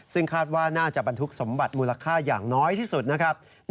ซึ่งคาดว่าน่าจะบรรทุกสมบัติมูลค่าอย่างน้อยที่สุดนะครับ